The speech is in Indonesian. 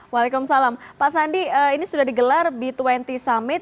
waalaikumsalam pak sandi ini sudah digelar b dua puluh summit